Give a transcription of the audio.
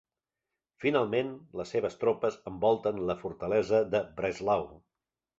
Finalment, les seves tropes envolten la fortalesa de Breslau.